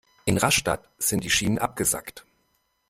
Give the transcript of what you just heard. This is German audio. In Rastatt sind die Schienen abgesackt.